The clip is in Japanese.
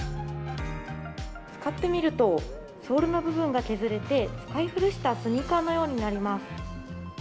使ってみると、ソールの部分が削れて、使い古したスニーカーのようになります。